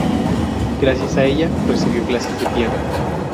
Gracias a ella, recibió clases de piano.